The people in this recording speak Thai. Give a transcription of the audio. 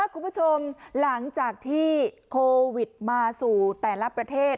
คุณผู้ชมหลังจากที่โควิดมาสู่แต่ละประเทศ